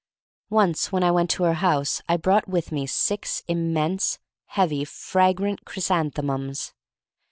Once when I went to her house I brought with me six immense, heavy, fragrant chrysanthemums.